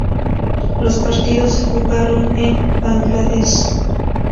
Los partidos se jugaron en Bangladesh.